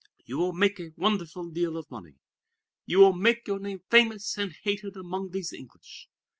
You will make a wonderful deal of money. You will make your name famous and hated among these English.